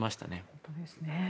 本当ですね。